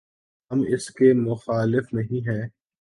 ہم اس کے مخالف نہیں ہیں۔